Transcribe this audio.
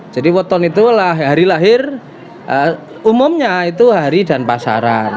jadi weton itu adalah hari lahir umumnya itu hari dan pasaran